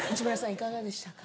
いかがでしたか？